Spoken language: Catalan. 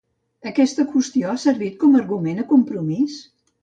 Aquesta qüestió ha servit com a argument a Compromís?